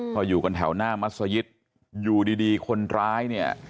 ก็อยู่กันแถวหน้ามัศยิตอยู่ดีคนร้ายเนี่ย